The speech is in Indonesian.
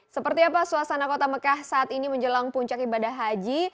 seperti apa suasana kota mekah saat ini menjelang puncak ibadah haji